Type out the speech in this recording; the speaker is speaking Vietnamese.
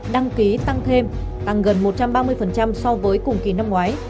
đăng ký tăng thêm tăng gần một trăm ba mươi so với cùng kỳ năm ngoái